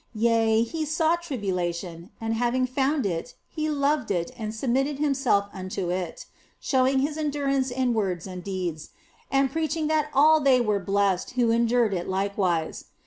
Yea, He sought tribulation, and having found it He loved it and submitted Himself unto it, showing His endurance in words and deeds, and preaching that all they were blessed who endured it likewise.